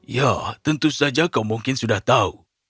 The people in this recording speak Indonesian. ya tentu saja kau mungkin sudah tahu